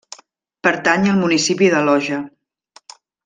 Pertany al municipi de Loja.